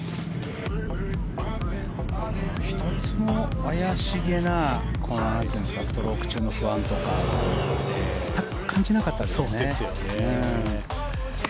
１つも怪しげなストローク中の不安とか感じなかったんですかね。